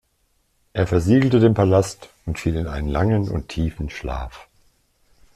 Er versiegelte den Palast und fiel in einen langen und tiefen Schlaf.